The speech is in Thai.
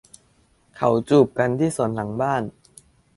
เขาจูบกับที่สวนหลังบ้าน